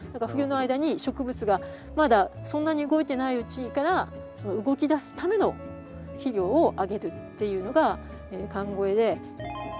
冬の間に植物がまだそんなに動いてないうちから動きだすための肥料をあげるっていうのが寒肥で。